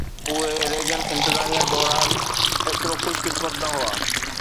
اهي ريگن انتظاميه دوران ايترو خوش قسمت نه هئا